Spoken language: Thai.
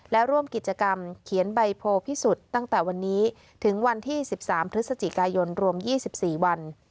และร่วมกิจกรรมเขียนใบโพพิสุทธิ์ตั้งแต่วันนี้ถึงวันที่๑๓พฤศจิกายนรวม๒๔วัน